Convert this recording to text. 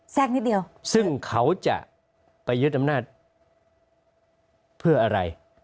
แทรกนิดเดียวซึ่งเขาจะไปยึดอำนาจเพื่ออะไร